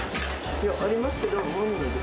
いや、ありますけど。